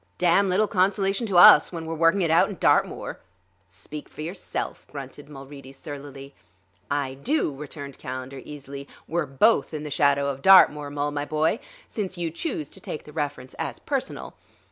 "Damn little consolation to us when we're working it out in Dartmoor." "Speak for yourself," grunted Mulready surlily. "I do," returned Calendar easily; "we're both in the shadow of Dartmoor, Mul, my boy; since you choose to take the reference as personal.